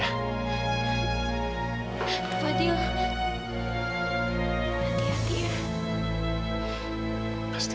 kak fadiyah hati hati ya